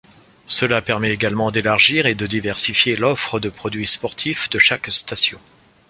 Cela permet également d'élargir et de diversifier l'offre de produits sportifs de chaque station.